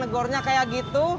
negornya kayak gitu